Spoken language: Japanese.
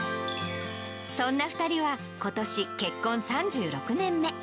そんな２人は、ことし結婚３６年目。